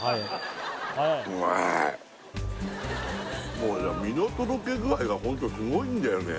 もう身のとろけ具合がホントすごいんだよね